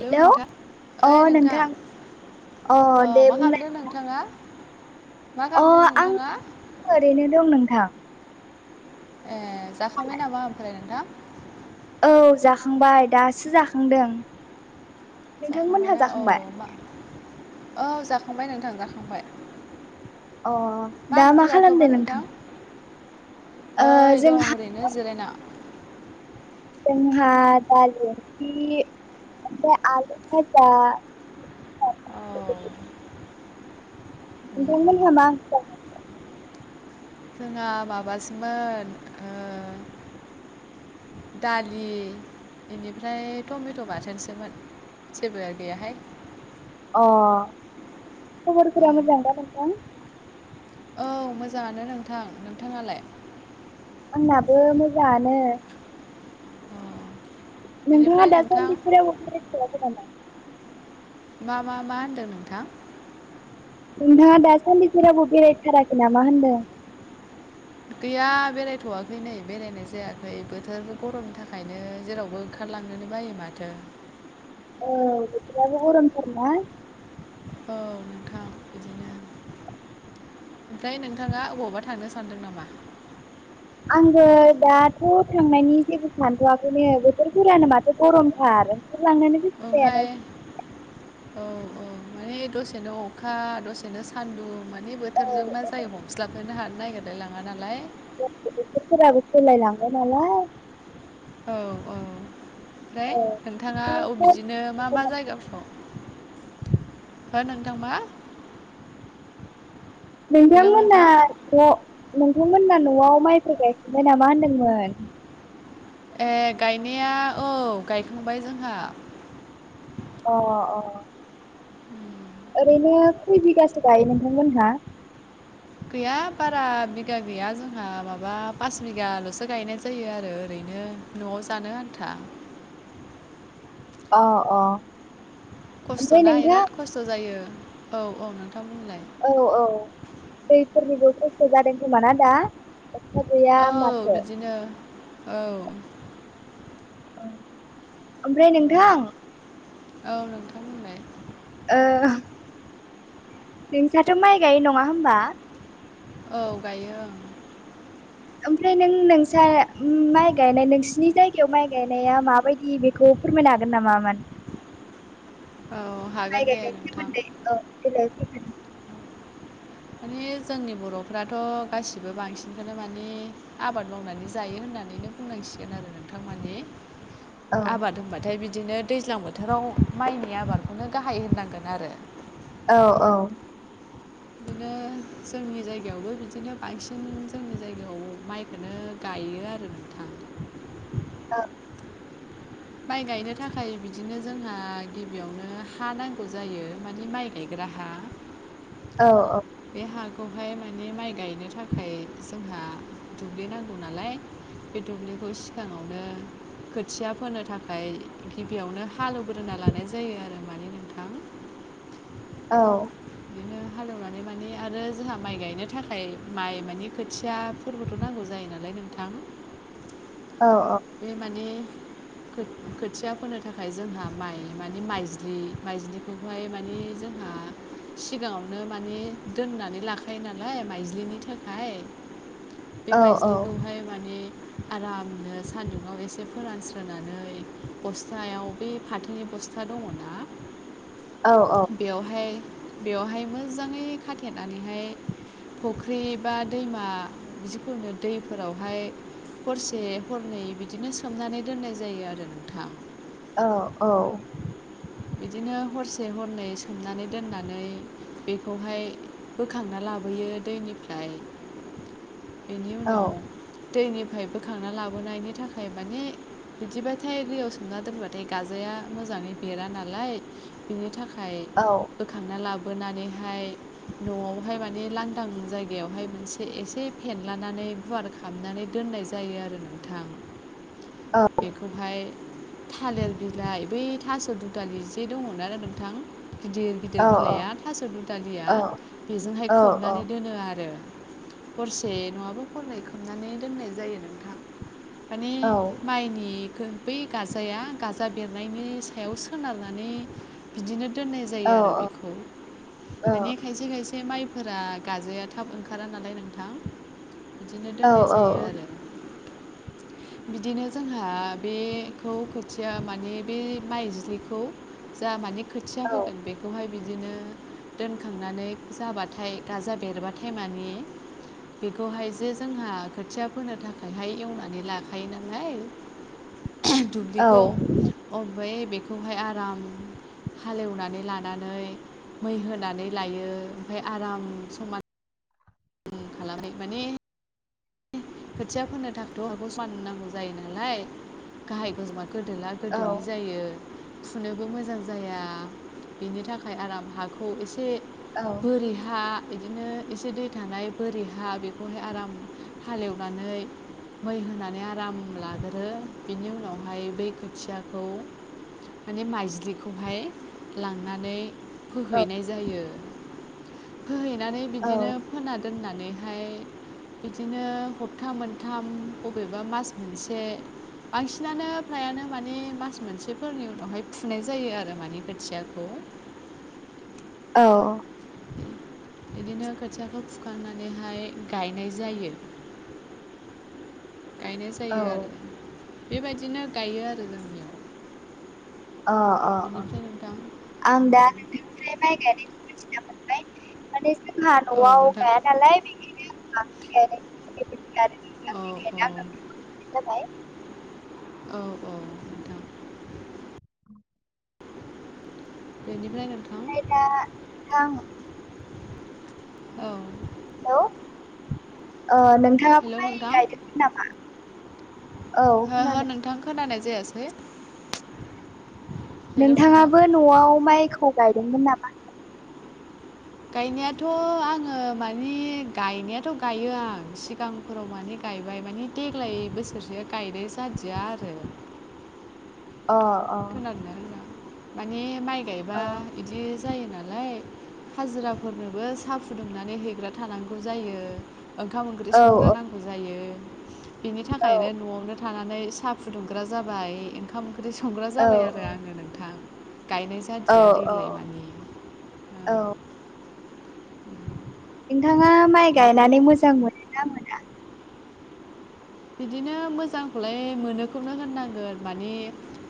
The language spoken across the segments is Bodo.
हेलौ नोंथां अ ओइ नोंथां अ नोंथां। दे मा बुंलाय खालामांदो नोंथाङा? मा अ खालामदों आं नोंथाङा ओरैनो दं नोंथां। ए जाखांबाय नामा ओमफ्राय नोंथां? औ जाखांबाय दासो जाखांदों। नोंथांमोनहा जाखांबायनाा जाखांबाय औ मा औ जाखांबाय नोंथां जाखांबाय। अ दा मा खालामदों नोंथां? ओ नै जोंहा दं ओरैनो जिरायना। जोंहा दालि ओंखि् ओमफ्य आलु फाजा औ उम नोंथां मोनहा मा ओंखि् जोंहा माबासोमोन ओ दालि बेनिफ्राय टमेट' बाथोनसोमोन जेबो गैयाहाय। अ औ खबरफोरा मोजां दा नोंथां? औ मोजाङानो नोंथां नोंथाङालाय? आंनाबो मोजाङानो। अ नोंथाङा बेनिफ्राय नोंथां दासानदि जेरावबो बेरायफेराखैनामा? मा मा मा होनदों नोंथां? नोंथां दासानदि जेरावबो बेराय थाराख नामा होनदों। गैया बेरायथ'वाखै नै बेरायनाय जायाखै बोथोर गरमनि थाखायनो जेरावबो ओंखारलांनोनो बायो माथो। औ बोथोराबो गरमथारनाय ओं ओमफ्राय नोंथाङा ओबावबा थांनो सानदों नामा। आङो दाथ' थांनायनि जेबो सानथ'आाखैनो बोथोरफोरानो माथो गरमथार लांनानै ओं हाय औ औ माने दसेनो अखा दसेनो सान्दुं माने बे औ बोथोरजों मा जायो हमस्लाफोरो हानो नागिरलाय लाङा नालाय। बोथोर फोराबो सोलाय लांबाय नालाय। औ औ ओमफ्राय औ नोंथाङा अ एसे बिदिनो मा मा जायगा फोराव हो नोंथां मा? हेलौ नोंथां नोंथांमोनाथ' नोंथांमोना न'आव माइफोर गायखांबाय नामा होनदोंमोन। ए गायनाया औ गायखांबाय जोंहा। अ अ ओरैनो खैय बिगासो गायो नोंथांमोनहा गैया बारा बिगा गैया जोंहा माबा पास बिगाल'सो गायनाय जायो आरो ओरैनो न'आव जानो आन्था अ अ ओमफ्राय खस्थ'ना नोंथां इराद खस्थ' जायो औ औ नोंथां बुंलाय। औ औ दैफोरनिबो खस' जादों खोमाना दा। अखा गैया औ माथो बिदिनो औ। ओमफ्राय नोंथां। औ नोंथां बुंलाय ओ नोंथाङाथ' माइ गायो नङा होमबा। औ गायों ओं। ओमफ्राय नों नोंसा माइ गायनाय नोंसिनि जायगायाव माइ गायनाया माबायदि बे खौ फोरमायनो हागोन नामा माने औ माय हागोन दे गायनायनि नोंथां सोमोन्दै औ देलाय फोरमायलाय। माने जोंनि बर'फ्राथ' गासिबो बांसिनखौनो माने आबाद मावनानै जायो होननानैनो बुंनांसिगोन आरो नोंथां माने औ आबाद होनबाथाय बिदिनो दैज्लां बोथोराव माइनि आबादखौनो गाहाय होननांगोन आरो औ औ बिदिनो जोंनि जायगायावबो बिदिनो बांसिन जोंनि जायगायाव माइखौनो गायो आरो नोंथां औ माइ गायनो थाखाय बिदिनो जोंहा गिबियावनो हा नांगौ जायो मानिे माइ गायग्रा हा औ औ बे हाखौहाय माने माइ गायनो थाखाय जोंहा दुब्लि नांगौ नालाय बे दुब्लिखौ सिगाङावनो खोथिया फोनो थाखाय गिबियावनो हालेवग्रोना लानाय जायो आरो माने नोंथां औ बिदिनो हालेवनानै माने आरो जोंहा माइ गायनो थाखाय माइ माने खोथिया फोरबोथ' नांगौ जायो नालाय नोंथां। औ औ बे माने खो-खोथिया फोनो थाखाय जोंहा माइ माने माइज्लि माइज्लिखौ ओमफ्राय माने जोंहा सिगाङावनो माने दोननानै लाखायो नालाय माइज्लिनि थाखाय बे औ माइजलिखौहाय माने आरामनो सान्दुुंआव एसे फोरानस्रोनानै बस्थायाव बे फाथोनि बस्था दङ ना औ औ। बेवहाय बेवहाय मोजाङै खाथेनानैहाय फुख्रि बा दैमा जिखुनु दैफोरावहाय हरसे हरनै बिदिनो सोमनानै दोननाय जायो आरो नोंथां औ औ बिदिनो हरसे हरनै सोमनानै दोननानै बेखौहाय बोखांना लाबोयो दैनिफ्राय बेनि उनाव दैनिफ्राय बोखांना लाबोनायनि थाखाय माने बिदिबाथाय दैयाव सोमना दोनबाथाय गाजाया मोजाङै बेरा ना लाय बिनि थाखाय औ। बोखांना लाबोनानैहाय न'आवहाय माने लांदां जायगायावहाय मोनसे एसे फेनलानानै गुवार हाबनानै दोननाय जायो आरो नोंथां। औ बेखौहाय थालिर बिलाइ बै थास दु दालिजे दङना नोंथां गिदिर गिदिर औ औ बिलाइआ थास' औ दुदालिया औ बेजोंहाय औ खोबनानै दोनो आरो। हरसे नोङाबा हरनै खोबनानै दोननाय जायो नोंथां। माने माइनि खो बै गाजाया गाजा बेरनायनि सायाव सो सोनारनानै बिदिनो दोननाय जायो औ आरो बेखौ माने खायसे खायसे माइफोरा गाजाया थाब ओंखारा नालाय नोंथां। बिदिनो दोननाय जायो आरो। बिदिनो जोंहा बेखौ खोथिया माने बे माइज्लि खौ जा माने खोथिया फोगोन बे खौहाय बिदिनो दोनखांनानै जाबाथाय गाजा बेरबाथाय माने बेखौहाय जे जोंहा खोथिया फोनो थाखायहाय एवनानै लाखायो नालाय दुब्लिखौ अ ओमफाय बेखौहाय आराम हालोवनानै लानानै मै होनानै लायो ओमफ्राय आराम समान खालामनाय माने खोथिया फोनो थाखायथ' हगखौ सामान नांगौ जायो नालाय गाहाय गोजौबा गोदोला गोदोलि जायो। फुनोबो मोजां जाया बेनि थाखाय आराम हाखौ एसे बोरि हा इदिनो एसे दै थानाय बोरि हा बेखौहाय आराम हालेवनानै मै होनानै आराम लाग्रो बिनि उनावहाय बे खोथियाखौ माने माइज्लिखौहाय लांनानै फोहैनाय जायो फोहैनानै बिदिनो फोना दोननानैहाय बिदिनो हबथा मोनथाम हबेबा मास मोनसे बांसिनानो फ्रायानो माने मास मोनसेफोरनि उनावहाय फुनाय जायो आरो माने खोथियाखौ औ। इदिनो खोथियाखो फुखांनानैहाय गायनाय जायो। गायनाय जायो आरो बेबायदिनो गायो आरो जों। अ अ अ बेनिफ्राय नोंथां आं दा नोंथांनिफ्राय माइ गायनायखौ मिथिना मोनबाय माने जोंहा औ न'आव नोंथां गाया नालाया बेखायनो [inaudible] औ आं नोंनाय औ जाबाय औ औ। नोंथां बेनिफ्राय नोंथां दा नोंथां औ। ओ हेलौ नोंथाङा हेल' [unintelligible] नोंथां गायदोमोन नामा? औ हो हो खोनादों नोंथां खोनानाय जायासै? हेलौ नोंथां नोंथाङाबो न'आव माइखौ गायदोंमोन नामा? गायनायाथ' आङो माने गायनायाथ' गायो आं सिगां फोराव माने गायबाय माने देग्लाय बोसोरसे गायनाय जादिया आरो। अ अ। [inaudible] माने माइ गायबा अ बिदि जायो नालाय। हाजिराफोरनोबो साहा फुदुंनानै हैेग्रा थानांगौ जायो। ओंखाम ओंख्रि औ संग्रा नांगौ जायो। बेनि थाखायनो न'आवनो थानानै साहा फुदुंग्रा जाबाय ओंखाम ओंख्रि संग्रा औ जाबाय आरो आङो नोंथां। गायनाय औ जादिया देग्लाय औ माने औ ओं [inaudible] औ नोंथाङा माइ बेनिफ्राय गायनानै मोजां मोनोना मोना? बिदिनो मोजांखौलाय मोनोखौनो होननांगोन माने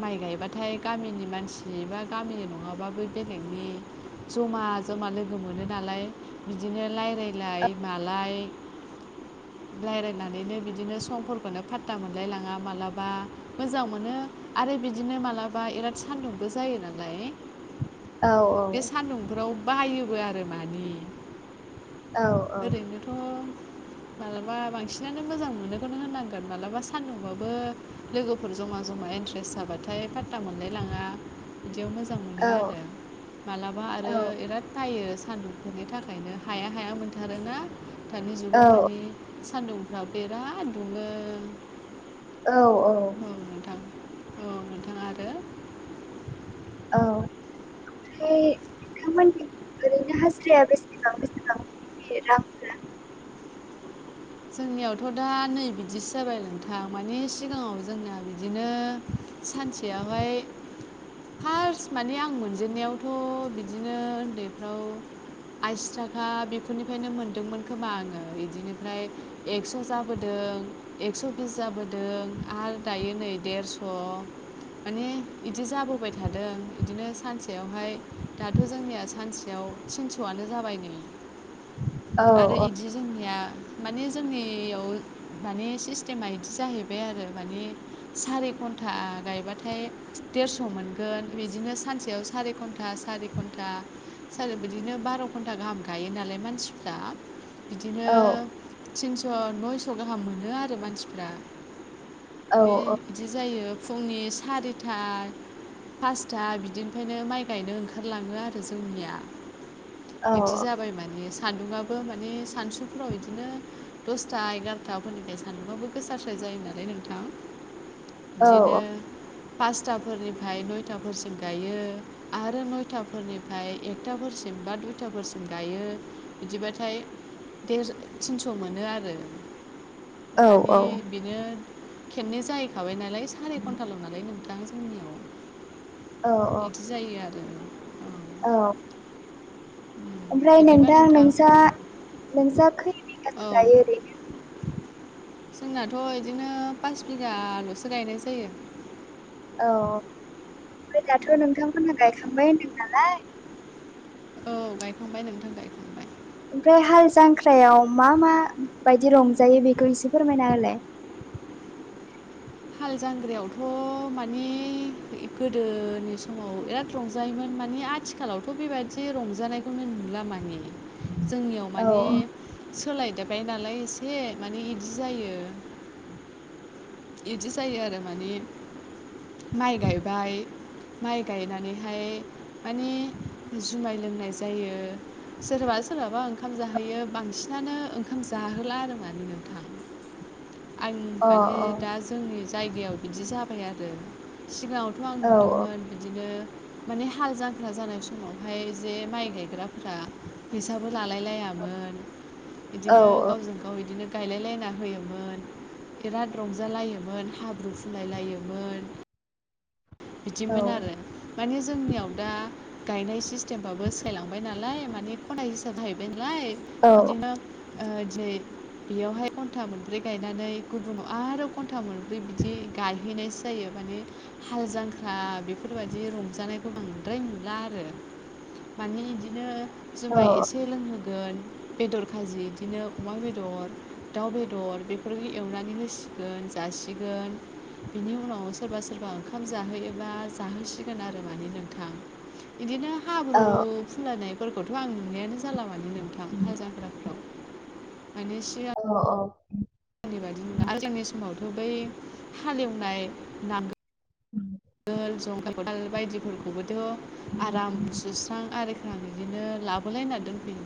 माइ गायबाथाय गामिनि मानसि बा गामिनि नङाबाबो बेलेगनि जमा जमा लोगो मोनो नालाय। बिदिनो राय्लायलाय मालाय रायलायनानैनो बिदिनो समफोरखौननो फादथा मोनलायलाङा मालाबा। मोजां मोनो आरो बिदिनो मालाबा बिराद सान्दुंबो जायो नालाय। मोना औ बे सान्दुंफ्राव बायोबो आरो माने। औ औ ओरैनोथ' मालाबा बांसिनानो मोजां मोनो। खौनो होनांगोन मालाबा सान्दुंबाबो लोगोफोर जमा जमा इन्ट्रेस्ट जाबाथाय फादता मोनलाय लाङा बिदियाव मोजां मोनो औ आरो मालाबा आरो बेराद सायो सान्दुंफोरनि थाखायनो हाया हाया मोनथारोना दानि औ जुगाव माने। सानदुंफ्रा बेराद दुङो। औ औ। औ नोंथां औ नोंथाङा आरो औ। ओमफ्राय नोंथांमोननि ओरैनो हाजिराया बेसेबां बेसेबां बे रांफोरा? जोंनियावथ' दा नै बिदिसो जाबाय नोंथां माने सिगाङाव जोंना बिदिनो सानसेयावहाय फार्स्ट माने आं मोनजेनन्नायावथ' बिदिनो उन्दैफ्राव आसि थाखा बेफोरनिफ्रायनो मोनदोंमोन खोमा आङो बिदिनिफ्राय एक्स' जाबोदों एक्स' बिस जाबोदों आरो दायो नै देरस' माने बिदि जाबोबाय थादों बिदिनो सानसेयावहाय दाथ' जोंनिया सानसेयाव थिनस'आनो जाबायनो। औ आरो बिदि जोंनिया माने जोंनियाव माने सिस्टेमा बिदि जाहैबाय आरो माने सारि घन्टा गायबाथाय देरस' मोनगोन बिदिनो सानसेयाव सारि घन्टा सारि घन्टा आरो बिदिनो बार' घन्टा गाहाम गायो नालाय मानसिफ्रा। बिदिनो औ थिनस' नयस' गाहाम मोनो आरो मानसिफ्रा। औ माने औ। बिदि जायो फुंनि सारिथा पासथा बिदिनिफ्रायनो माइ गायनो ओंखारलाङो आरो जोंनिया। औ बिदि जाबाय माने सान्दुंङआो माने सानसुफोराव बिदिनो दसथा एगार'थाफोरनिफ्राय सानबाबो गोसाारस्राय जायो नालाय नोंथां बिदिनो औ पासथाफोरनिफ्राय नयथाफोरसिम गायो। आरो नयथाफोरनिफ्राय एकथाफोरसिम बा दुइथाफोरसिम गायो। बिदिबाथाय मोनो आरो। औ दानि बेनो खेबनै जाहैखाबाय ना लाय साराय घन्टाल' नालाय नोथां जोंनियाव। औ अ बिदि जायो आरो। औ ओमफ्राय नोंथां नों नोंस खैगासो औ जायो ओरै जोंनाथ' बिदिनो पास बिगाल'सो गायनाय जायो। औ दाथ' नोंथांमोनहा गायखांबाय होनदों नालाय औ गायखांबाय नोंथां गाय ओमफ्राय हाल जांख्रायाव मा मा बायदि रंजायो बेखौ इसे फोरमाय होलाय हाल जांग्रायावथ' मानि गोदोनि समाव बिराद रंजायोमोन मानि आ थिखालावथ' बेबायदि रंजानायखौनो नुला माने जोंनियाव माने औ सोलायदोबबाय नालाय एसे माने बिदि जायो। बिदि जायो आरो माने माइ गायबाय माइ गायनानैहाय माने जुमाय लोंनाय जायो। सोरबा सोरबाबा ओंखाम जाहोयो बांसिनानो ओंखाम जाहोला आरो मानो आं अ माने दा जोंनि जायगायाव बिदि जाबाय आरो सिगाङावथ' आं औ नुदोंमोन बिदिनो माने हाल जख्रा जानाय समावहाय जे माइ गायग्राफोरा फैसाबो लालाय लायामोन औ बिदिनो गावजों गाव बिदिनो गायलायलायना होयोमोन बिराद रंजालायोमोन हाब्रु खुलाय लायोमोन औ बिदिमोन आरो मानिे जोंनियाव दा गायनाय सिस्टेमबाबो सायलांबाय नालाय माने खन्थ हिसाबाहैबाय नालाय औ बिदिनो ओ दि बेयावहाय घन्टा मोनब्रै गायनानै गुदुंङाव आरो घन्टा मोनब्रै बिदि गायहैनायसै जायो माने हाल जांख्रा बेफोरबायदि रंजानायखौ बांद्राय मोनला आरो माने बिदिनो जुमाय एसे लोंहोगोन बेदर खाजि बिदिनो अमा बेदर दाउ बेदर बेफोरखौ एवनानै होसिगोन जासिगोन बिनि उनाव सोरबा सोरबा ओंखाम जाहोयोबा जाहोसिगोन आरो माने नोंथां बिदिनो हाब्रु औ खलाायनायफोरखौथ' आं नुनायानो जाला मानि नोंथां हाल जागाफ्राव माने सिगां अ अ आनि बादि ना आगांनि समावथ' बै हालेवनाय नांगौ। उम गोल जंगालखौ दाल बायदिफोरखौबो थ आराम सुस्रां आरिख्रां बिदिनो लाबोलायना दोनफै